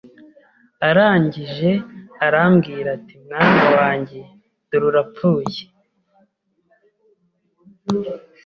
arangije arambwira ati mwana wanjye dore urapfuye